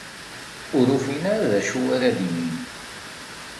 Ur ufin ara d acu ara d-inin.